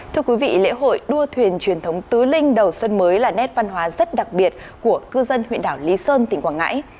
thưa quý vị lễ hội đua thuyền truyền thống tứ linh đầu xuân mới là nét văn hóa rất đặc biệt của cư dân huyện đảo lý sơn tỉnh quảng ngãi